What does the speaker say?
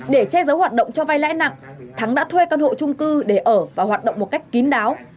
để che giấu hoạt động cho vay lãi nặng thắng đã thuê căn hộ trung cư để ở và hoạt động một cách kín đáo